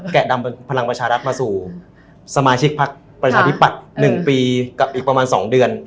แกะดำพลังประชารัฐมาสู่สมาชิกพักประชาธิปัตย์๑ปีกับอีกประมาณ๒เดือน